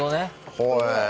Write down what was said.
ほえ。